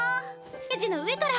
ステージの上から！